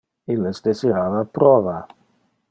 Illes desirava prova.